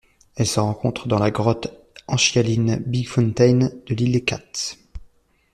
Elle se rencontre dans la grotte anchialine Big Fountain de l'île Cat.